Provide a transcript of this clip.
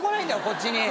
こっちに。